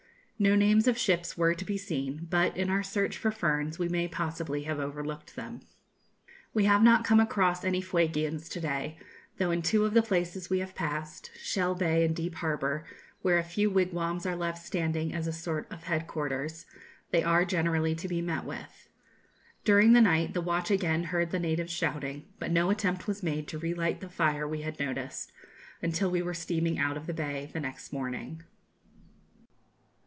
No names of ships were to be seen; but, in our search for ferns, we may possibly have overlooked them. We have not come across any Fuegians to day, though in two of the places we have passed Shell Bay and Deep Harbour, where a few wigwams are left standing as a sort of head quarters they are generally to be met with. During the night the watch again heard the natives shouting; but no attempt was made to re light the fire we had noticed, until we were steaming out of the bay the next morning.